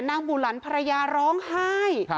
บุหลันภรรยาร้องไห้